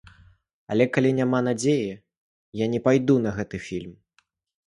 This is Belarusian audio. Але калі няма надзеі, я не пайду на гэты фільм.